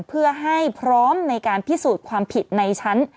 เพื่อให้พร้อมในการพิสูจน์ความผิดในชั้น